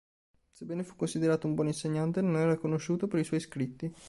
Sebbene fu considerato un buon insegnante, non era conosciuto per i suoi scritti.